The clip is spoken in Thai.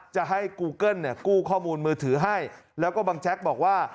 จะให้กูเกิ้ลเนี่ยกู้ข้อมูลมือถือให้แล้วก็บังแจ๊กบอกว่า